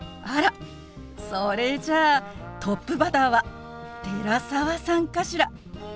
あらそれじゃあトップバッターは寺澤さんかしら？